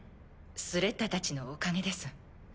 スレッタたちのおかげです。